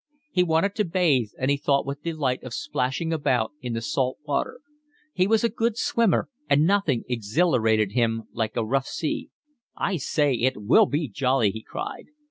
He wanted to bathe, and he thought with delight of splashing about in the salt water. He was a good swimmer, and nothing exhilarated him like a rough sea. "I say, it will be jolly," he cried.